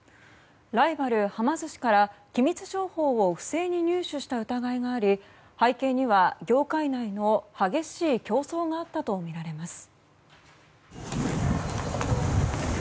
ライバルはま寿司から機密情報を不正に入手した疑いがあり背景には業界内の激しい競争があったとみられます。